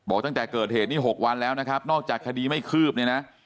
ตั้งแต่เกิดเหตุนี้๖วันแล้วนะครับนอกจากคดีไม่คืบเนี่ยนะ